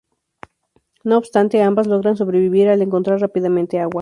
No obstante ambas logran sobrevivir al encontrar rápidamente agua.